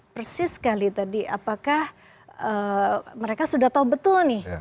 persis sekali tadi apakah mereka sudah tahu betul nih